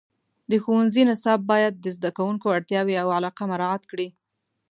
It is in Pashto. د ښوونځي نصاب باید د زده کوونکو اړتیاوې او علاقه مراعات کړي.